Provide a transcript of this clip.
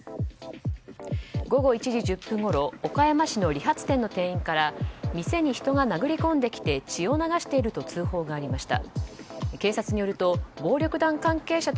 午後１時１０分ごろ岡山市の理髪店の店員から店に人が殴り込んできて血を流していると通報がありました。